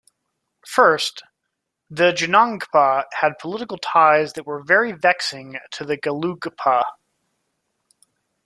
First, the Jonangpa had political ties that were very vexing to the Gelugpa.